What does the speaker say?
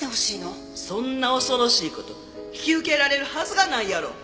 そんな恐ろしい事引き受けられるはずがないやろ。